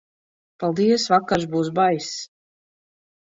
Paldies, vakars būs baiss.